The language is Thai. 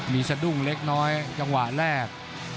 มีสดุ้งเล็กจังหวะแรก